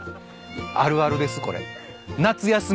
あるあるですこれ。